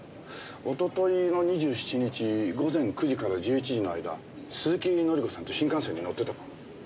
一昨日の２７日午前９時から１１時の間鈴木紀子さんと新幹線に乗ってたか？